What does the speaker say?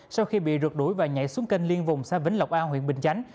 sau khi bị rượt đuổi và nhảy xuống kênh liên vùng xã vĩnh lộc a huyện bình chánh